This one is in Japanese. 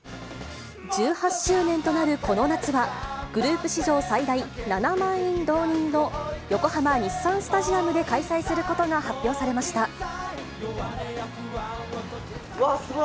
１８周年となるこの夏は、グループ史上最大、７万人動員の横浜・日産スタジアムで開催することが発表されましわー、すご！